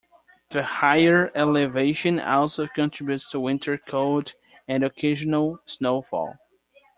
The higher elevation also contributes to winter cold and occasional snowfall.